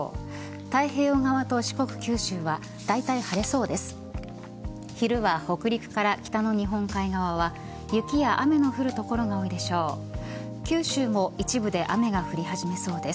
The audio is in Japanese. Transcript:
太平洋側と四国、九州はだいたい晴れそうです。